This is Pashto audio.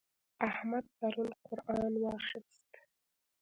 احمد پرون قرآن واخيست.